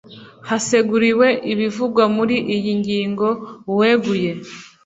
Haseguriwe ibivugwa muri iyi ngingo uweguye